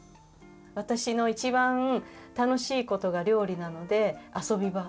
私の一番楽しいことが料理なので遊び場。